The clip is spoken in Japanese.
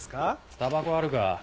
タバコあるか？